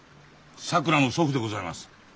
さくらの祖父でございます。